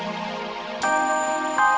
jangan kaget dan berkejar